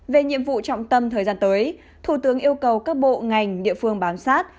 về nhiệm vụ trọng tâm thời gian tới thủ tướng yêu cầu các bộ ngành địa phương bám sát